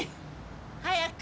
早く！